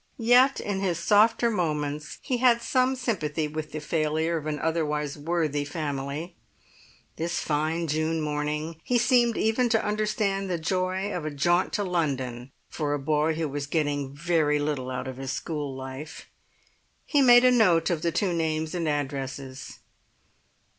Yet in his softer moments he had some sympathy with the failure of an otherwise worthy family; this fine June morning he seemed even to understand the joy of a jaunt to London for a boy who was getting very little out of his school life. He made a note of the two names and addresses.